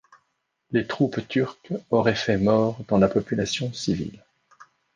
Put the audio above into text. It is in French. Les troupes turques auraient fait morts dans la population civile.